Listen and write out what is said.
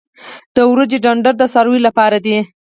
د وریجو ډنډر د څارویو لپاره دی.